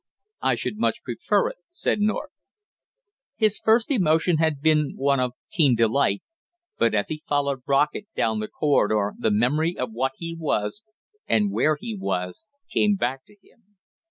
"I should much prefer it!" said North. His first emotion had been one of keen delight, but as he followed Brockett down the corridor the memory of what he was, and where he was, came back to him.